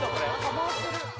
回してる。